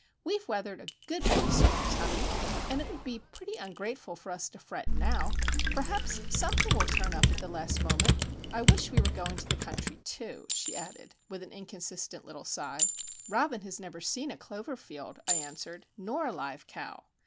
"We've weathered a good many storms, honey, and it would be pretty ungrateful for us to fret now. Perhaps something will turn up at the last moment. I wish we were going to the country, too!" she added, with an inconsistent little sigh. "Robin has never seen a clover field," I answered, "nor a live cow.